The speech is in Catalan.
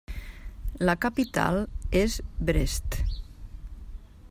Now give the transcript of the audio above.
La capital és Brest.